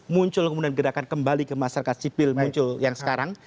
muncul kemudian gerakan kembali ke masyarakat sipil muncul yang sekarang